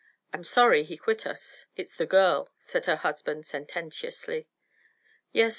I'm sorry he quit us." "It's the girl," said her husband sententiously. "Yes.